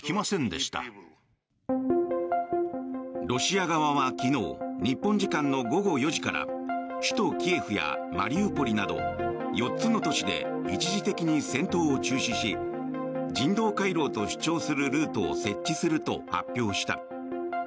ロシア側は昨日日本時間の午後４時から首都キエフやマリウポリなど４つの都市で一時的に戦闘を中止し人道回廊と主張するルートを設置すると発表した。